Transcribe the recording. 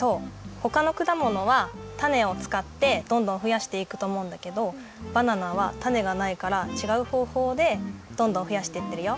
ほかのくだものはタネをつかってどんどんふやしていくとおもうんだけどバナナはタネがないからちがうほうほうでどんどんふやしてってるよ。